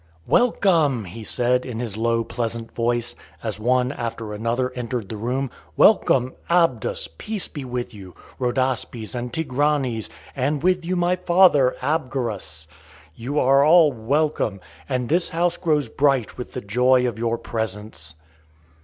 "Welcome!" he said, in his low, pleasant voice, as one after another entered the room "welcome, Abdus; peace be with you, Rhodaspes and Tigranes, and with you my father, Abgarus. You are all welcome, and this house grows bright with the joy of your presence."